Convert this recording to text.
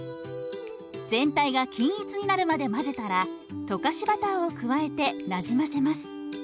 全体が均一になるまで混ぜたら溶かしバターを加えてなじませます。